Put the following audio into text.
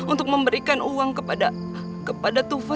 untuk memberikan uang kepada tuhan